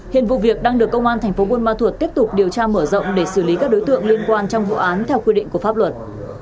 hiện vụ việc đang được công an thành phố buôn ma thuột tiếp tục điều tra mở rộng để xử lý các đối tượng liên quan trong vụ án theo quy định của pháp luật